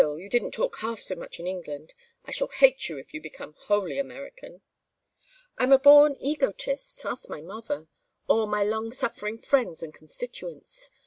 You didn't talk half so much in England. I shall hate you if you become wholly American." "I am a born egotist. Ask my mother. Or my long suffering friends and constituents.